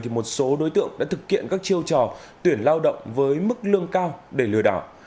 một số đối tượng đã thực hiện các chiêu trò tuyển lao động với mức lương cao để lừa đảo